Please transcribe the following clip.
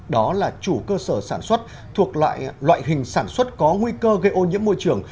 đó là chủ cơ sở sản xuất thuộc loại hình sản xuất có nguy cơ gây ô nhiễm môi trường